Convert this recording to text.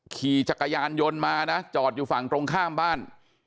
ขี่จักรยานยนต์มานะจอดอยู่ฝั่งตรงข้ามบ้าน